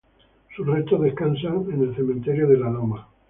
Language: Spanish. Sus restos descansan en el cementerio de la Loma.